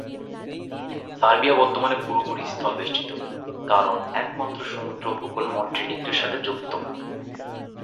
Serbia বর্তমানে পুরোপুরিভাবে স্থলবেষ্টিত, কারণ একমাত্র সমুদ্র উপকূল মন্টিনিগ্রোর সাথে যুক্ত।